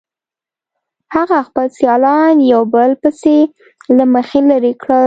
هغه خپل سیالان یو په بل پسې له مخې لرې کړل